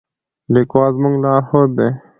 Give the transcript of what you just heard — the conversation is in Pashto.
لیکوال زموږ لارښود دی.